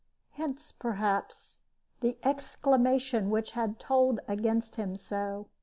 Hence, perhaps, the exclamation which had told against him so.